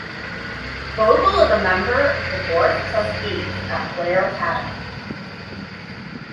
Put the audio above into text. Bogle is a member of the board of trustees at Blair Academy.